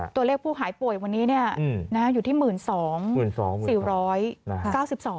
ตัวเลขผู้หายป่วยวันนี้อยู่ที่๑๒๒๔๐๐บาท